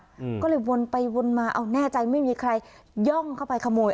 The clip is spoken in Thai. อืมก็เลยวนไปวนมาเอาแน่ใจไม่มีใครย่องเข้าไปขโมย